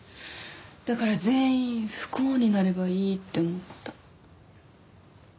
だから全員不幸になればいいって思った。